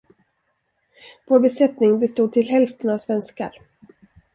Vår besättning bestod till hälften av svenskar.